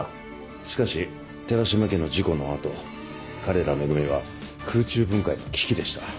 しかし寺島家の事故の後彼ら「め組」は空中分解の危機でした。